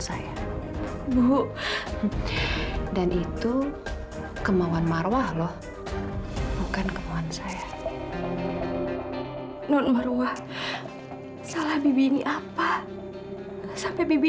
saya bu dan itu kemauan marwah loh bukan kemauan saya non marwah salah bibi ini apa sampai bibi